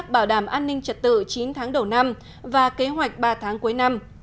bảo đảm an ninh trật tự chín tháng đầu năm và kế hoạch ba tháng cuối năm